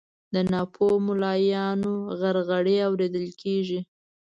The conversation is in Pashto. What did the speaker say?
د ناپوهو ملایانو غرغړې اورېدل کیږي